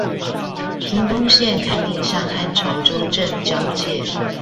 屏東縣崁頂鄉和潮州鎮交界